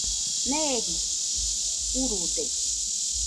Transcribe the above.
Neeji jurude